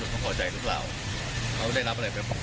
หลายปีคืนผ่านมา